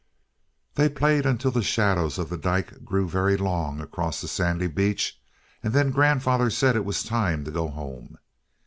They played until the shadows of the dyke grew very long across the sandy beach, and then grandfather said it was time to go home.